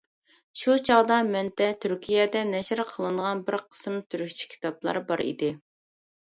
شۇ چاغدا مەندە تۈركىيەدە نەشر قىلىنغان بىر قىسىم تۈركچە كىتابلار بار ئىدى.